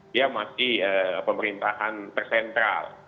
dia masih pemerintahan tersentral